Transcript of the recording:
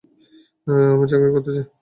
আমি চাকরি করতে চাই।